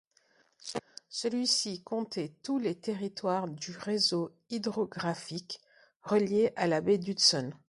Celui-ci comptait tous les territoires du réseau hydrographique relié à la baie d'Hudson.